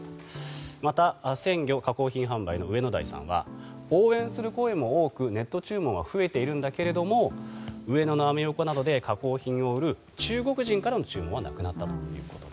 また鮮魚加工品販売の上野台さんは応援する声も多くネット注文は増えているんだけど上野のアメ横などで加工品を売る中国人からの注文はなくなったと。